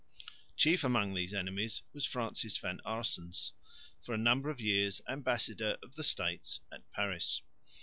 Chief among these enemies was Francis van Aerssens, for a number of years ambassador of the States at Paris.